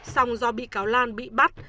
xong do bị cáo lan bị bắt